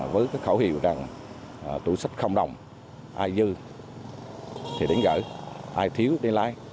với khẩu hiệu rằng tủ sách không đồng ai dư thì đến gửi ai thiếu thì đến lấy